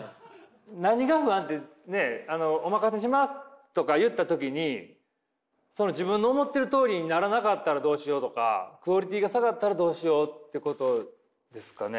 何が不安ってねえ「お任せします」とか言った時に自分の思ってるとおりにならなかったらどうしようとかクオリティーが下がったらどうしようってことですかね？